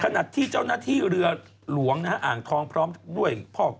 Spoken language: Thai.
ขณะที่เจ้าหน้าที่เรือหลวงนะฮะอ่างทองพร้อมด้วยพ่อ